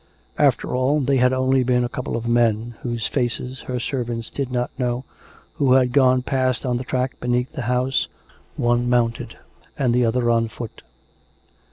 After all, they had only been a couple of men, whose faces her servants did not know, who had gone past on the track beneath the house; one mounted, and the other on foot.